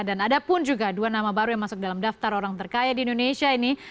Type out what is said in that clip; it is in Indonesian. dan ada pun juga dua nama baru yang masuk dalam daftar orang terkaya di indonesia ini